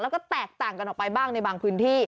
แล้วก็แตกต่างกันออกไปบ้างในบางพื้นที่